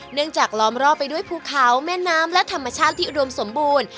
จากล้อมรอบไปด้วยภูเขาแม่น้ำและธรรมชาติที่อุดมสมบูรณ์